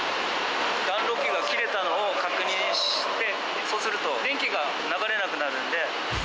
断路器が切れたのを確認して、そうすると電気が流れなくなるんで。